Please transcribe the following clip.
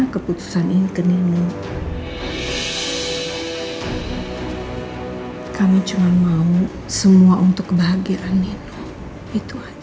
keputusan ini ke new kami cuma mau semua untuk kebahagiaan itu itu aja